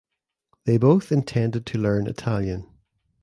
They both intended to learn Italian.